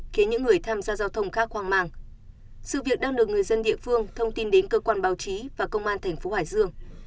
khiến những người tham gia giao thông khá hoang mang sự việc đang được người dân địa phương thông tin đến cơ quan báo chí và công an thành phố hải dương